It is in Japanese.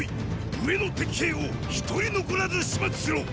上の敵兵を一人残らず始末しろ！